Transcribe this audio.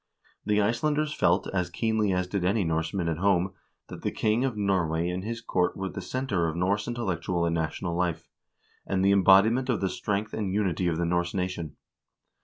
The Icelanders felt as keenly as did any Norseman at home that the king of Norway and his court were the center of Norse intellectual and national life, and the embodiment of the strength and unity of the Norse nation.